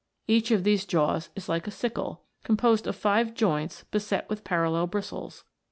Each of these jaws is like a sickle, composed of five joints beset with parallel bristles.